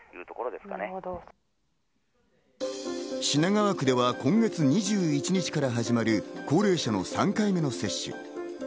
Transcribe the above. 品川区では今月２１日から始まる高齢者の３回目の接種。